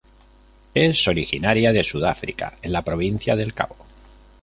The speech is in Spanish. Es originaria de Sudáfrica en la Provincia del Cabo.